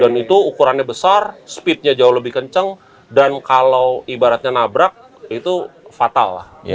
dan itu ukurannya besar speednya jauh lebih kencang dan kalau ibaratnya nabrak itu fatal lah